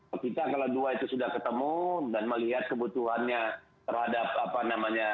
oh kita kalau dua itu sudah ketemu dan melihat kebutuhannya terhadap apa namanya